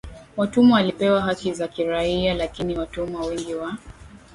watumwa walipewa haki za kiraia Lakini watumwa wengi wa